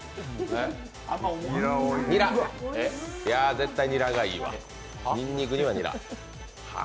絶対ニラがいいわにんにくにはニラ。